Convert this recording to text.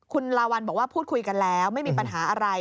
คุณลาวัลบอกว่าพูดคุยกันแล้วไม่มีปัญหาอะไร